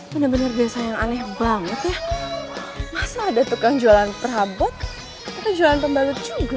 benar benar desa yang aleh banget ya masa ada tukang jualan prabut atau jualan pembalut juga